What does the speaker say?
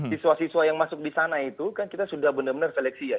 siswa siswa yang masuk di sana itu kan kita sudah benar benar seleksi ya